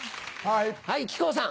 はい木久扇さん。